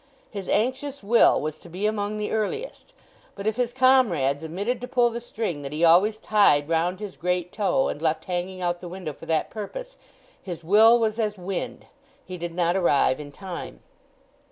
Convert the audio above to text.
His anxious will was to be among the earliest; but if his comrades omitted to pull the string that he always tied round his great toe and left hanging out the window for that purpose, his will was as wind. He did not arrive in time.